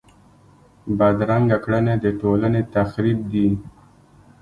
بدرنګه کړنې د ټولنې تخریب دي